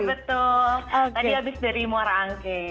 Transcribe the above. betul tadi habis dari muara angke